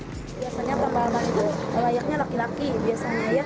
biasanya tambal ban itu layaknya laki laki biasanya ya